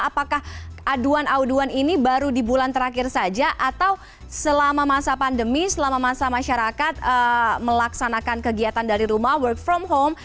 apakah aduan aduan ini baru di bulan terakhir saja atau selama masa pandemi selama masa masyarakat melaksanakan kegiatan dari rumah work from home